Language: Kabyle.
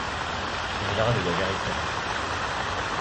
Ḥemmleɣ ad waliɣ itran.